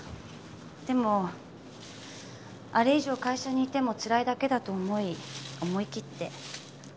でもあれ以上会社にいてもつらいだけだと思い思い切って。